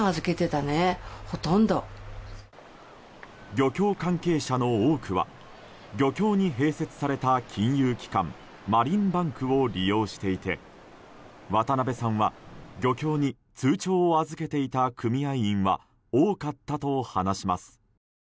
漁協関係者の多くは漁協に併設された金融機関マリンバンクを利用していて渡辺さんは漁協に通帳を預けていた組合員は多かったと話します。